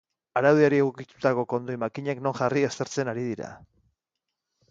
Araudiari egokitutako kondoi makinak non jarri aztertzen ari dira.